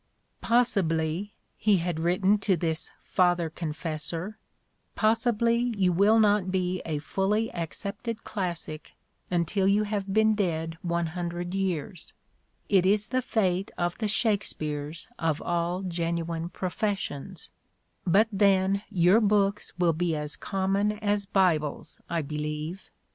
"Possibly," he had written to this father confessor, "possibly you will not be a fully accepted classic until you have been dead one hundred years — it is the fate of the Shakespeares of all genuine professions — but then your books will be as common as Bibles, I believe.